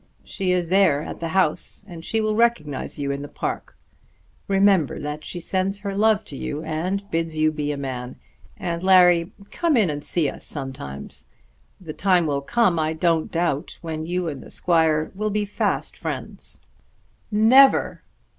She is there at the house, and she will recognise you in the park. Remember that she sends her love to you, and bids you be a man. And, Larry, come in and see us sometimes. The time will come, I don't doubt, when you and the squire will be fast friends." "Never!"